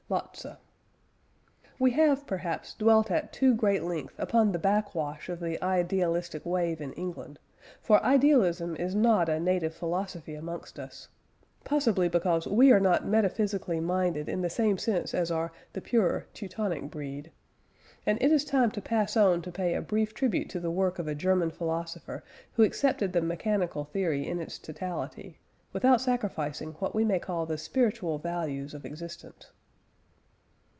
LOTZE. We have perhaps dwelt at too great length upon the backwash of the idealistic wave in England, for idealism is not a native philosophy amongst us; possibly, because we are not metaphysically minded in the same sense as are the purer Teutonic breed. And it is time to pass on to pay a brief tribute to the work of a German philosopher who accepted the mechanical theory in its totality, without sacrificing what we may call the spiritual values of existence.